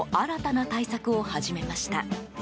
路上飲みの新たな対策を始めました。